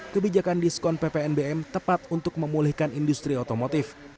kebijakan diskon ppnbm tepat untuk memulihkan industri otomotif